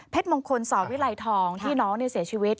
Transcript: มงคลสวิไลทองที่น้องเสียชีวิต